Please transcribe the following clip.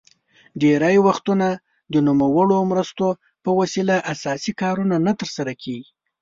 ډیری وختونه د نوموړو مرستو په وسیله اساسي کارونه نه تر سره کیږي.